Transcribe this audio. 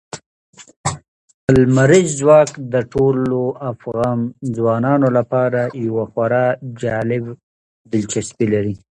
لمریز ځواک د ټولو افغان ځوانانو لپاره یوه خورا جالب دلچسپي لري.